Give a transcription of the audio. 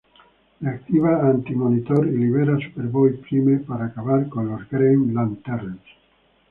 Reactiva a Antimonitor y libera a Superboy Prime para acabar con los Green Lanterns.